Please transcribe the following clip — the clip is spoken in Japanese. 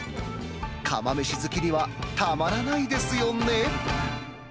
釜飯好きにはたまらないですよね。